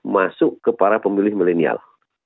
masuk ke para pemilih milenial